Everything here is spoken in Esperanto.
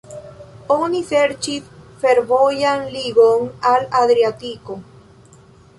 Oni serĉis fervojan ligon al Adriatiko.